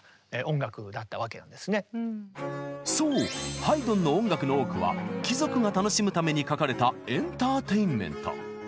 そうハイドンの音楽の多くは貴族が楽しむために書かれたエンターテインメント。